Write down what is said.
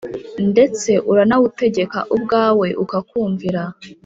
Ndets’ uranawutegek’ ubwaw’ ukakumvira